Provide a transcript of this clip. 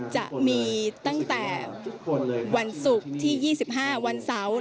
จะมีตั้งแต่วันศุกร์ที่๒๕วันเสาร์